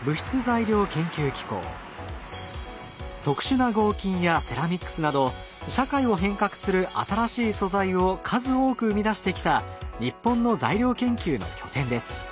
特殊な合金やセラミックスなど社会を変革する新しい素材を数多く生み出してきた日本の材料研究の拠点です。